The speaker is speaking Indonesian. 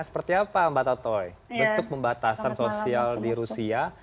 seperti apa mbak tatoy bentuk membatasan sosial di rusia